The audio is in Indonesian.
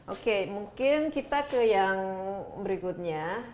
oke mungkin kita ke yang berikutnya